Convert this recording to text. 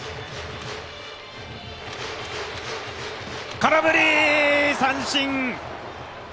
空振り三振。